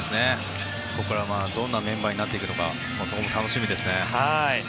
ここからどんなメンバーになっていくのかそこも楽しみですね。